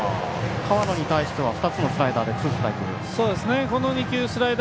河野に対しては２つのスライダーでツーストライク。